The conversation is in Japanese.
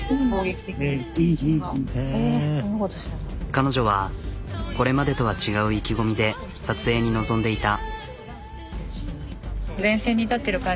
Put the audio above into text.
彼女はこれまでとは違う意気込みで撮影に臨んでいた。